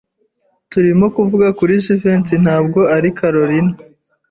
Turimo tuvuga kuri Jivency, ntabwo ari Kalorina.